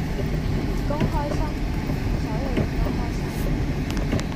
員工開心，所有人都開心